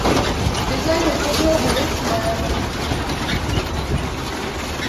Design vytvořil Harris Mann.